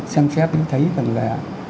xem xét thấy rằng là